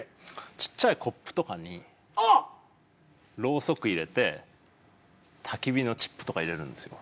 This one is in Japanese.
ちっちゃいコップとかにろうそく入れてたき火のチップとか入れるんですよ。